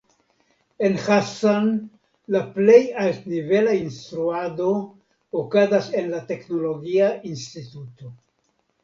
En Hassan la plej altnivela instruado okazas en la teknologia instituto.